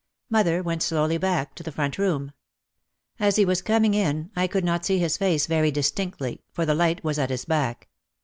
Mother went slowly back to the front room. As he was coming in I could not see his face very distinctly for the light was at his back.